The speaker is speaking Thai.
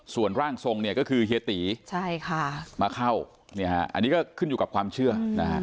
ส่วนร่างทรงเนี่ยก็คือเฮียตีมาเข้าอันนี้ก็ขึ้นอยู่กับความเชื่อนะฮะ